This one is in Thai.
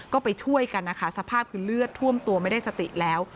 ก็ไปช่วยกันนะคะสภาพคือเลือดท่วมตัวไม่ได้สติแล้ว